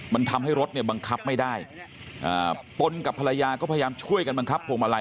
มันทำให้รถเนี่ยบังคับไม่ได้ตนกับภรรยาก็พยายามช่วยกันบังคับพวงมาลัย